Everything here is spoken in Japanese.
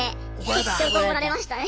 結局怒られましたね。